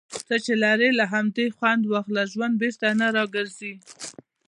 څۀ چې لرې، له همدې خؤند واخله. ژؤند بیرته نۀ را ګرځي.